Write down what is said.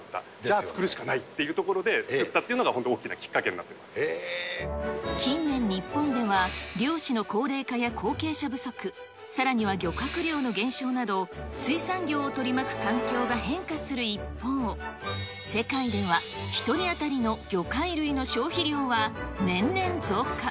じゃあ、つくるしかないということで、作ったっていうのが大きな近年、日本では、漁師の高齢化や後継者不足、さらには漁獲量の減少など、水産業を取り巻く環境が変化する一方、世界では、１人当たりの魚介類の消費量は年々増加。